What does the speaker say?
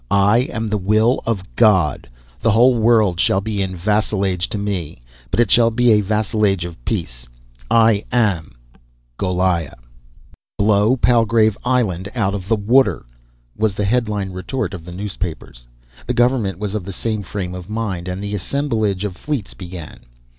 I am the will of God. The whole world shall be in vassalage to me, but it shall be a vassalage of peace. "I am "GOLIAH." "Blow Palgrave Island out of the water!" was the head line retort of the newspapers. The government was of the same frame of mind, and the assembling of the fleets began.